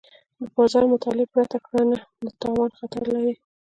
د بازار مطالعې پرته کرنه د تاوان خطر لري.